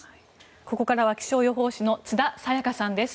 ここからは気象予報士の津田紗矢佳さんです。